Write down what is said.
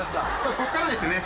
ここからですよね。